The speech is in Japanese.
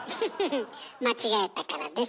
間違えたからです。